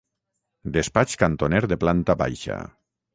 Despatx cantoner de planta baixa.